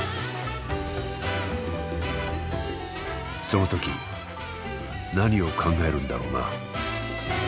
そのとき何を考えるんだろうな。